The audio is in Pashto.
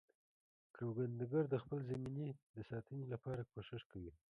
کروندګر د خپلې زمینې د ساتنې لپاره کوښښ کوي